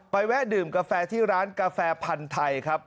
แวะดื่มกาแฟที่ร้านกาแฟพันธุ์ไทยครับ